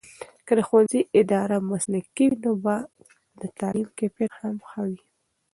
که د ښوونځي اداره مسلکي وي، نو به د تعلیم کیفیت هم ښه وي.